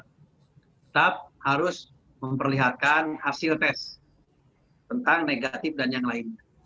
tetap harus memperlihatkan hasil tes tentang negatif dan yang lainnya